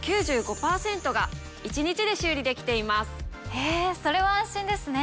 へぇそれは安心ですね。